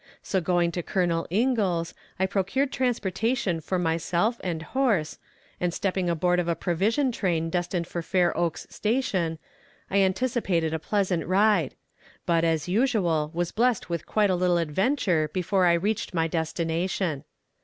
So going to Colonel Ingalls, I procured transportation for myself and horse, and stepping aboard of a provision train destined for Fair Oaks Station, I anticipated a pleasant ride; but, as usual, was blessed with quite a little adventure before I reached my destination.